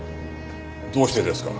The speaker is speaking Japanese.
どうしてですか？